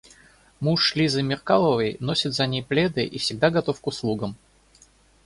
Муж Лизы Меркаловой носит за ней пледы и всегда готов к услугам.